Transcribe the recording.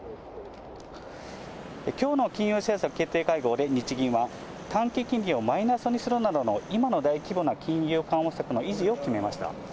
きょうの金融政策決定会合で日銀は、短期金利をマイナスにするなどの今の大規模な金融緩和策の維持を決めました。